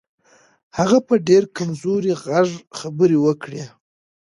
هغه په ډېر کمزوري غږ خبرې وکړې.